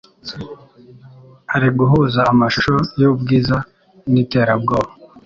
Ari Guhuza amashusho yubwiza niterabwoba